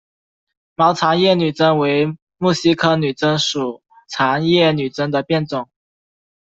毛长叶女贞为木犀科女贞属长叶女贞的变种。